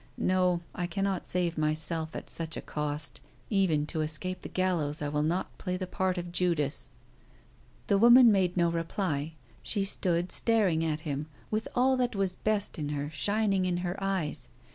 "No, I cannot save myself at such a cost. Even to escape the gallows I will not play the part of Judas." The woman made no reply. She stood staring at him with all that was best in her shining in her eyes.